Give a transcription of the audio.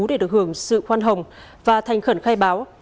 để được hưởng sự khoan hồng và thành khẩn khai báo